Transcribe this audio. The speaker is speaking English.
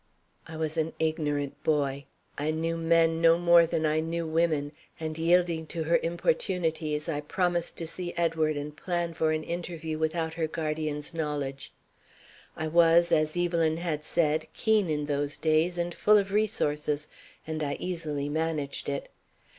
"I was an ignorant boy. I knew men no more than I knew women, and yielding to her importunities, I promised to see Edward and plan for an interview without her guardian's knowledge. I was, as Evelyn had said, keen in those days and full of resources, and I easily managed it.